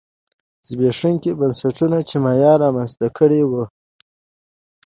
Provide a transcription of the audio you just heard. زبېښونکي بنسټونه چې مایا رامنځته کړي وو